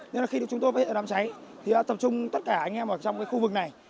nên là khi chúng tôi phát hiện đám cháy thì đã tập trung tất cả anh em ở trong cái khu vực này